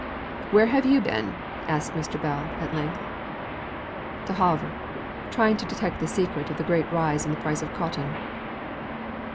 "Where have you been?" asked Mr. Bell, at length. "To Havre. Trying to detect the secret of the great rise in the price of cotton."